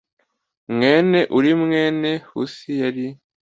mwene uri mwene huris yari